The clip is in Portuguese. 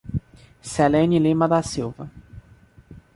Celene Lima da Silva